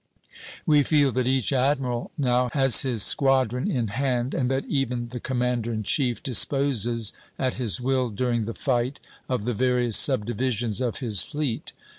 We feel that each admiral now has his squadron in hand, and that even the commander in chief disposes at his will, during the fight, of the various subdivisions of his fleet.